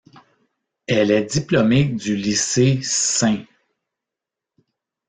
Elle est diplômée du lycée St.